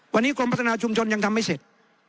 วันนี้กรมพัฒนาชุมชนยังทำไม่เสร็จ